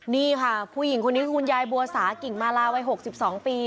นี่ค่ะผู้หญิงคนนี้คุณยายบัวสาหกิ่งมาลาวัยหกสิบสองปี